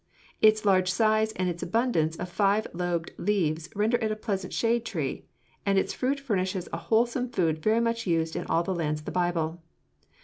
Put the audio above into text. Its large size and its abundance of five lobed leaves render it a pleasant shade tree, and its fruit furnishes a wholesome food very much used in all the lands of the Bible.'